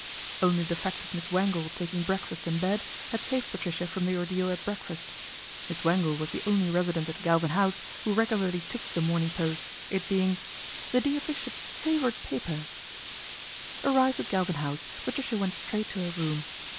Only the fact of Miss Wangle taking breakfast in bed had saved Patricia from the ordeal at breakfast. Miss Wangle was the only resident at Galvin House who regularly took The Morning Post, it being "the dear bishop's favourite paper." A BOMBSHELL 109 Arrived at Galvin House Patricia went straight to her room.